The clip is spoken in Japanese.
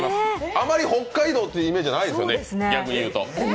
あまり北海道というイメージはないですね、逆に言うと。